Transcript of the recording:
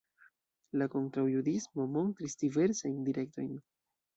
La kontraŭjudismo montris diversajn direktojn.